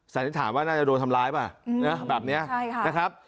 สันนิษฐานว่าน่าจะโดนทำร้ายป่ะแบบนี้นะครับ